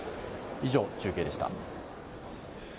以上、中継でした。